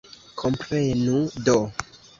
Komprenu do!